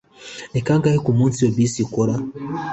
Ni kangahe kumunsi iyo bisi ikora